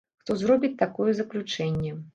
Хто зробіць такое заключэнне?